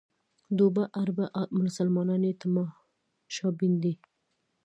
دوه اربه مسلمانان یې تماشبین دي.